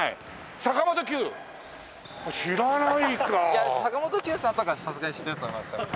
いや坂本九さんとかはさすがに知ってると思います。